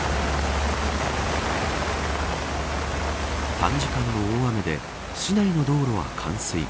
短時間の大雨で市内の道路は冠水。